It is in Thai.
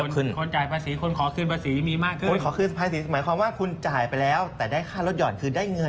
กลับเข้ากระเป๋าของเราเอง